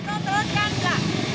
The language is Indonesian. jatuh terus jatuh